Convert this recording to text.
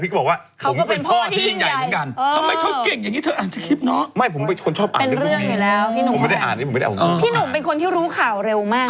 มีเวียนกับน้องน็อค